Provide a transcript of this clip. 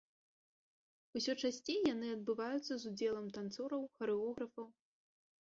Усё часцей яны адбываюцца з удзелам танцораў, харэографаў.